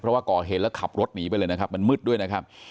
เพราะว่าก่อเหตุแล้วขับรถหนีไปเลยนะครับมันมืดด้วยนะครับ